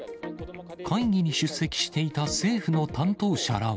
会議に出席していた政府の担当者らは。